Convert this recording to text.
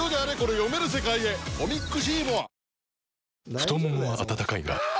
太ももは温かいがあ！